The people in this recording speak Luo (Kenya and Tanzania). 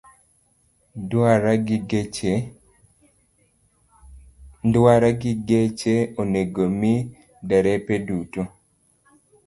Ndara gi geche onego mi derepe duto.